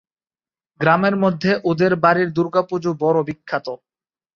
গ্রামের মধ্যে ওদের বাড়ির দুর্গাপুজো বড় বিখ্যাত।